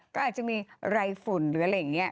ก็อาจจะมีไรฝุ่นหรืออะไรอย่างนี้